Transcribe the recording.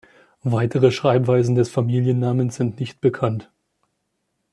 Weitere Schreibweisen des Familiennamens sind nicht bekannt.